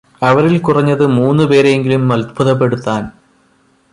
അവരിൽ കുറഞ്ഞത് മൂന്ന് പേരെ എങ്കിലും അത്ഭുതപ്പെടുത്താൻ